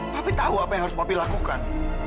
papi tahu apa yang harus papi lakukan